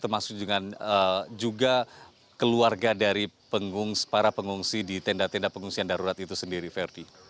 termasuk juga keluarga dari para pengungsi di tenda tenda pengungsian darurat itu sendiri verdi